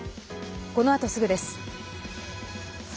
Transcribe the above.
このあとすぐです。